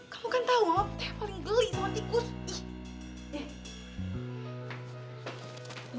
kamu kan tahu mama putih paling geli sama tikus ih